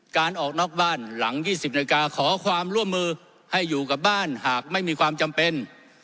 การออกนอกบ้านหลัง๒๐นาฬิกาขอความร่วมมือให้อยู่กับบ้านหากไม่มีความจำเป็น